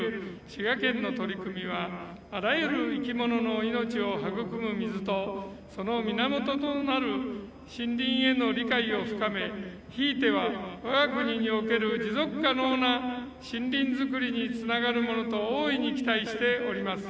滋賀県の取り組みはあらゆる生き物の命を育む水とその源となる森林への理解を深めひいては我が国における持続可能な森林づくりにつながるものと大いに期待しております。